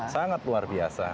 sangat luar biasa